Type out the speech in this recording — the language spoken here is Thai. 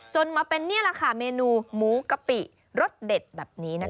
จนมาเป็นเนี่ยราคาเมนูหมูกะปิรสเด็ดแบบนี้นะคะ